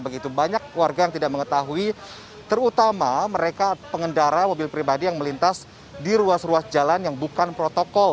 kita mengetahui terutama mereka pengendara mobil pribadi yang melintas di ruas ruas jalan yang bukan protokol